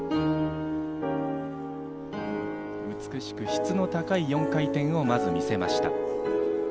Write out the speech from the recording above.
美しく質の高い４回転をまず見せました。